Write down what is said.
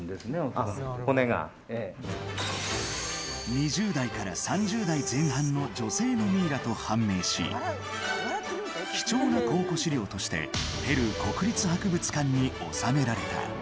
２０代から３０代前半の女性のミイラと判明し貴重な考古資料としてペルー国立博物館に納められた。